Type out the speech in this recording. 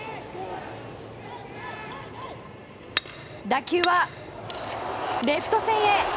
打球はレフト線へ。